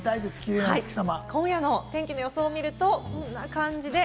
今夜の天気の予想を見ると、こんな感じです。